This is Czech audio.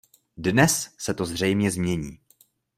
Dnes se to zřejmě změní.